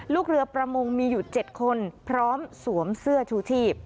ลูกเรือประมงมีอยู่๗คนพร้อมสวมเสื้อชูชีพ